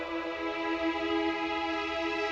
lo sudah nunggu